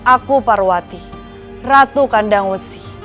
aku parwati ratu kandang wesi